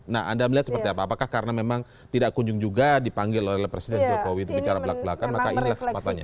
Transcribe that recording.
nah anda melihat seperti apa apakah karena memang tidak kunjung juga dipanggil oleh presiden jokowi untuk bicara belak belakan maka inilah kesempatannya